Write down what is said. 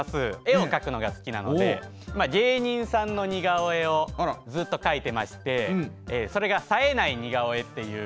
絵を描くのが好きなのでまあ芸人さんの似顔絵をずっと描いてましてそれがさえない似顔絵っていう。